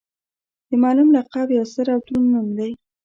د معلم لقب یو ستر او دروند نوم دی.